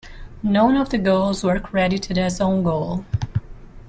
None of the goals were credited as own goal.